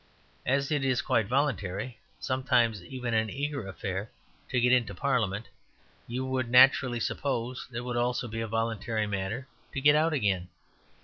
As it is quite a voluntary, sometimes even an eager, affair to get into Parliament, you would naturally suppose that it would be also a voluntary matter to get out again.